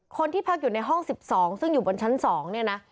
คนที่พักอยู่ในห้อง๑๒ซึ่งอยู่บนชั้น๒เนี่ยนะ